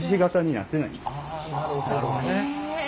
あなるほどね。